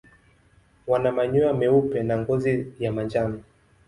Wana manyoya meupe na ngozi ya manjano.